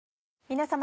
皆様。